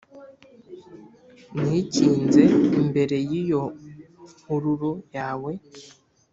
nikinze imbere y'iyo hururu yawe